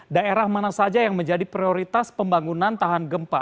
daerah mana saja yang menjadi prioritas pembangunan tahan gempa